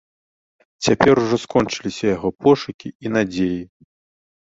Цяпер ужо скончыліся яго пошукі і надзеі.